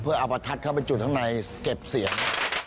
เพื่อเอาประทัดเข้าไปจุดข้างในเก็บเสียง